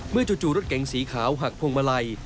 จู่รถเก๋งสีขาวหักพวงมาลัย